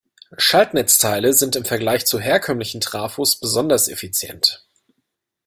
Schaltnetzteile sind im Vergleich zu herkömmlichen Trafos besonders effizient.